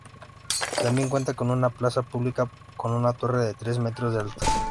Tambien cuenta con una plaza publica con una torre de tres metros de alto.